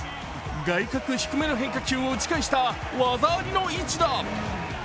外角低めの変化球を打ち返した技ありの一打。